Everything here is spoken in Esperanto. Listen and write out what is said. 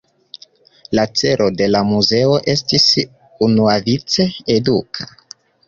La celo de la muzeo estis unuavice eduka.